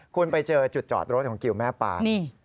คุณไปเจอจุดจอดรถของกิวแม่ปาน